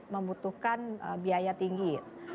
membutuhkan biaya tinggi